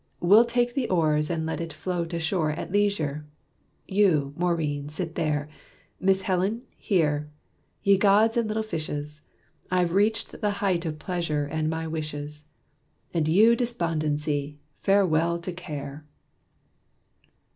We'll take the oars, and let it float Ashore at leisure. You, Maurine, sit there Miss Helen here. Ye gods and little fishes! I've reached the height of pleasure, and my wishes. Adieu despondency! farewell to care!"